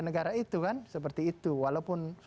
negara itu kan seperti itu walaupun